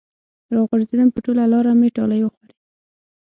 راغورځېدم په ټوله لاره مې ټالۍ وخوړې